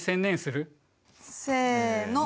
せの。